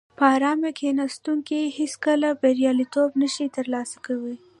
په ارامه کیناستونکي هیڅکله بریالیتوب نشي ترلاسه کولای.